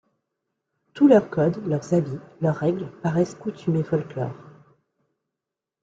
Tous leurs codes, leurs habits, leurs règles paraissent coutumes et folklore.